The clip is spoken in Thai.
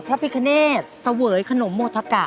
พระพิคเนตเสวยขนมโมทกะ